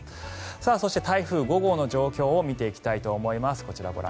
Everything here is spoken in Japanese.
そして台風５号の状況を見ていきます。